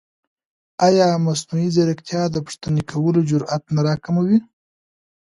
ایا مصنوعي ځیرکتیا د پوښتنې کولو جرئت نه راکموي؟